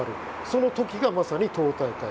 その時がまさに党大会。